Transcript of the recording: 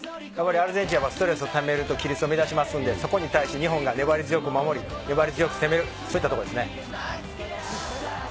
アルゼンチン、ストレスためると規律を乱すので、そこに対して日本が粘り強く守り、粘り強く攻める、そういったとこですね。